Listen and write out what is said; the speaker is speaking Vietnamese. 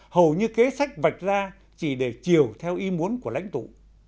hầu như kế sách vạch ra chỉ để chiều theo ý muốn của lãnh tụ